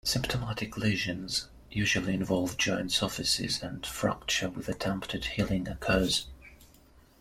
Symptomatic lesions usually involve joint surfaces, and fracture with attempted healing occurs.